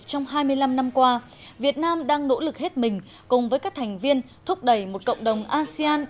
trong hai mươi năm năm qua việt nam đang nỗ lực hết mình cùng với các thành viên thúc đẩy một cộng đồng asean